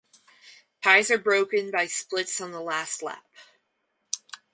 Ties are broken by splits on the last lap.